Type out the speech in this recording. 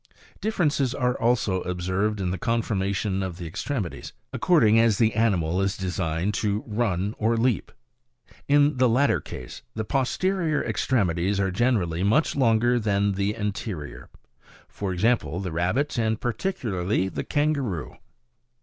Differences are also observed in the conformation of the extremities, according as the animal is designed to run or leap ; in the latter case, the posterior extremities are generally much longer than the anterior for example, the rabbit and particularly the kangaroo.